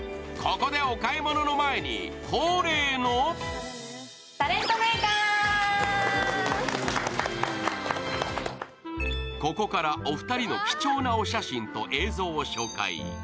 ここでお買い物の前に恒例のここからはお二人の貴重なお写真と映像を紹介。